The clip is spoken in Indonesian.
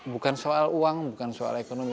bukan soal uang bukan soal ekonomi